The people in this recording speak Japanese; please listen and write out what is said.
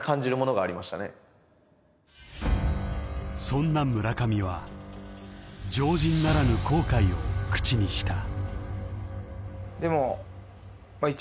［そんな村上は常人ならぬ後悔を口にした］